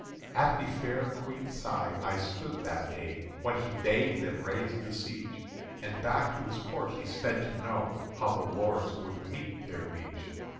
At the fair Queen's side I stood that day When he bade them raise the siege, And back to his Court he sped to know How the lords would meet their Liege.